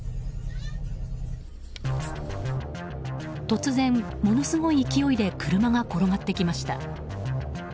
突然ものすごい勢いで車が転がってきました。